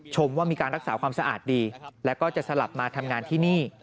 ว่ามีการรักษาความสะอาดดีแล้วก็จะสลับมาทำงานที่นี่